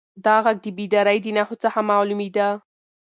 دا غږ د بیدارۍ د نښو څخه معلومېده.